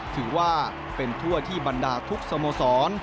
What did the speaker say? ถือว่าเป็นทั่วที่บรรดาทุกสโมสร